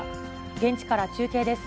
現地から中継です。